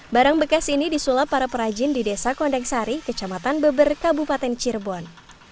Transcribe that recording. barang bekas ini disulap para perajin di desa kondeksari kecamatan beber kabupaten cirebon